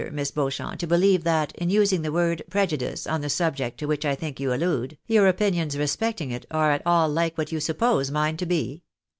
Miss Beauchamp, to beheve that, in using the Avord prejudice on the subject to which I think you allude, your opinions respecting it are at all hke what you suppose mine to be?"